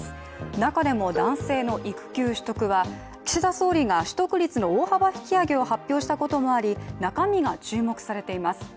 中でも男性の育休取得は岸田総理が取得率の大幅引き上げを発表したこともあり、中身が注目されています。